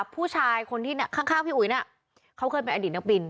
ผู้ชายคนที่ข้างพี่อุ๋ยน่ะเขาเคยเป็นอดีตนักบิน